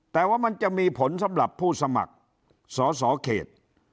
แต่ว่ามันจะมีผลสำหรับผู้สมัครสอสอเขต